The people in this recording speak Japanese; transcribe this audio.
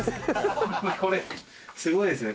これすごいですね。